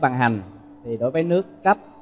bằng hành thì đối với nước cấp